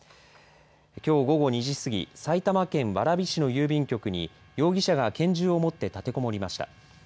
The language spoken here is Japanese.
きょう午後２時過ぎ埼玉県蕨市の郵便局に容疑者が拳銃を持って立てこもりました。